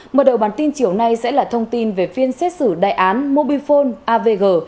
mở đầu bản tin chiều nay sẽ là thông tin về phiên xét xử đại án mobifone avg